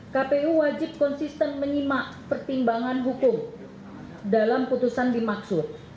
kpu wajib konsisten menyimak pertimbangan hukum dalam putusan dimaksud